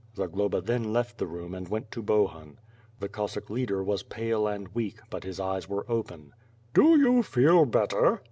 Zagloba then left the room and went to Bohun. The Cossack leader was pale and weak, but his eyes were open: "Do you feel better?"